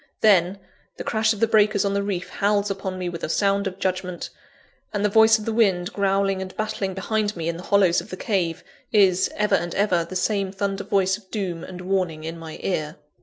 Then, the crash of the breakers on the reef howls upon me with a sound of judgment; and the voice of the wind, growling and battling behind me in the hollows of the cave, is, ever and ever, the same thunder voice of doom and warning in my ear.